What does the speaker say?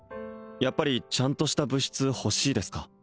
やっぱりちゃんとした部室欲しいですか？